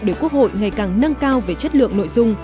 để quốc hội ngày càng nâng cao về chất lượng nội dung